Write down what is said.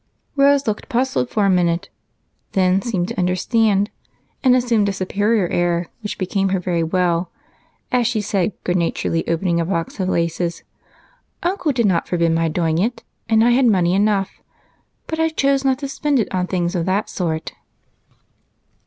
Rose looked puzzled for a minute, then seemed to understand, and assumed a superior air which became her very well as she said, good naturedly opening a box of laces, "Uncle did not forbid my doing it, and I had money enough, but I chose not to spend it on things of that sort."